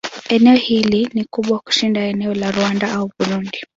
Eneo hili ni kubwa kushinda eneo la Rwanda au Burundi.